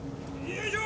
よいしょ！